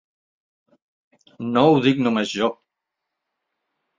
No ho dic només jo.